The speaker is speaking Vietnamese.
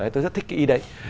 tôi rất thích cái ý đấy